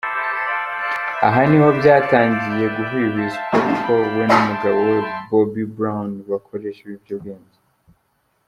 Aha niho byatangiye guhwihwiswa ko we n’umugabo we, Bobby Brown bakoresha ibiyobyabwenge.